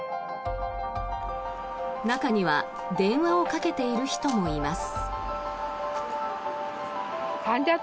中には電話をかけている人もいます。